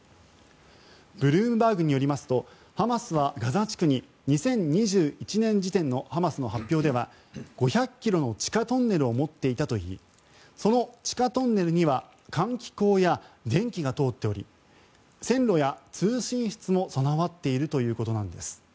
ブルームバーグによりますとハマスはガザ地区に２０２１年時点のハマスの発表では５００ｋｍの地下トンネルを持っていたといいその地下トンネルには換気口や電気が通っており線路や通信室も備わっているということなんです。